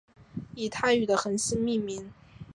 以泰语的恒星命名。